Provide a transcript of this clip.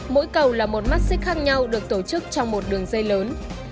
mỗi cầu là một mắt xích khác nhau được tổ chức trong một đường dây lớn